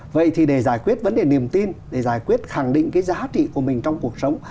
vậy thì để giải quyết vấn đề niềm tin để giải quyết khẳng định cái giá trị của mình trong cuộc sống